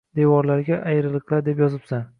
Devorlariga ayriliqlar deb yozibsan.